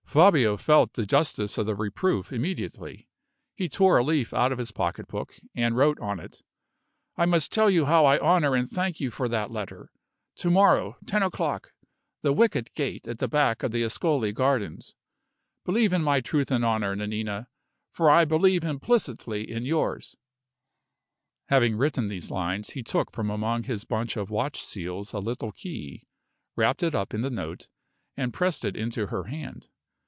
Fabio felt the justice of the reproof immediately. He tore a leaf out of his pocketbook, and wrote on it, "I must tell you how I honor and thank you for that letter. To morrow ten o'clock the wicket gate at the back of the Ascoli gardens. Believe in my truth and honor, Nanina, for I believe implicitly in yours." Having written these lines, he took from among his bunch of watch seals a little key, wrapped it up in the note, and pressed it into her hand.